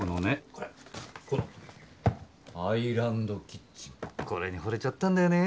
これこのアイランドキッチンこれにほれちゃったんだよね。